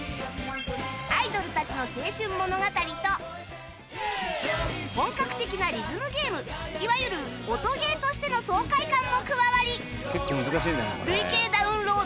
アイドルたちの青春物語と本格的なリズムゲームいわゆる音ゲーとしての爽快感も加わり累計ダウンロード